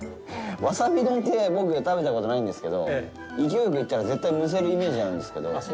わさび丼って僕、食べたことないんですけど、勢いよく行ったら絶対むせるイメージあるんですけど。